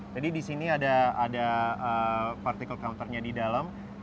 jadi di sini ada particle counternya di dalam